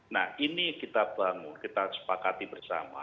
nah ini kita bangun kita sepakati bersama